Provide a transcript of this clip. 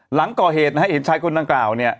หลังก่อเหตุให้เห็นชายคนนางกล่าว